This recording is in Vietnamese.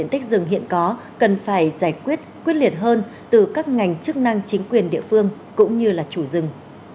tình trạng xâm hại rừng hiện có cần phải giải quyết quyết liệt hơn từ các ngành chức năng chính quyền địa phương cũng như là chủ rừng